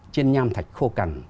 trên nham thạch khô cằn